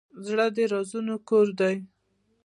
زړه د رازونو کور دی.